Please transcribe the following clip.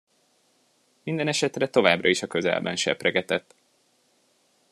Mindenesetre továbbra is a közelben sepregetett.